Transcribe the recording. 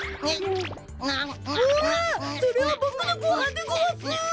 うわそれはボクのごはんでごわす！